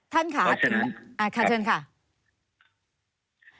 ท่านค่ะถึงขอเชิญค่ะครับ